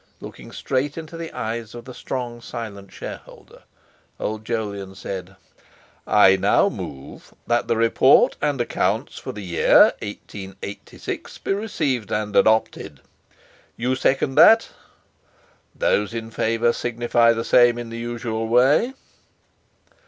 Looking straight into the eyes of the strong, silent shareholder, old Jolyon said: "I now move, 'That the report and accounts for the year 1886 be received and adopted.' You second that? Those in favour signify the same in the usual way.